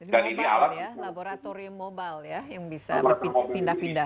jadi mobile ya laboratorium mobile ya yang bisa dipindah pindah